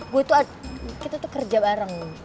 gua tuh ada kita tuh kerja bareng